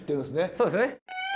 そうですね。